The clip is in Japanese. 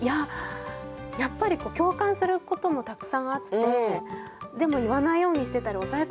やっぱり共感することもたくさんあってでも言わないようにしてたり抑え込んでたもの